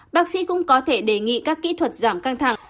bác sĩ cũng có thể đề nghị các kỹ thuật giảm căng thẳng